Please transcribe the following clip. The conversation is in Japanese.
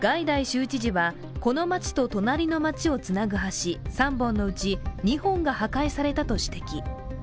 州知事は、この街と隣の町をつなぐ橋、３本のうち２本が破壊されたと指摘。